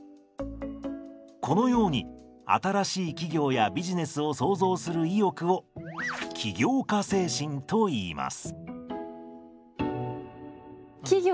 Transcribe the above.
このように新しい企業やビジネスを創造する意欲を企業家精神といいます。